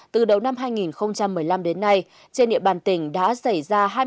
từ đầu năm hai nghìn một mươi năm đến nay trên địa bàn tỉnh đã xảy ra